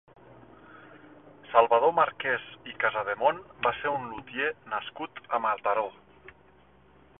Salvador Marquès i Casademont va ser un lutier nascut a Mataró.